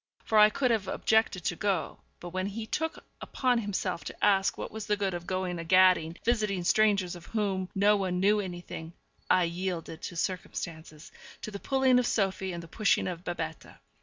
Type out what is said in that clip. For I could have objected to go; but when he took upon himself to ask what was the good of going a gadding, visiting strangers of whom no one knew anything, I yielded to circumstances to the pulling of Sophie and the pushing of Babette.